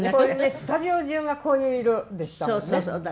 スタジオ中がこういう色でしたもんね。